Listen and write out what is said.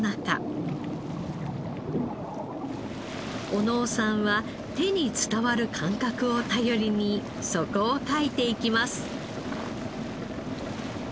小野尾さんは手に伝わる感覚を頼りに底をかいていきます。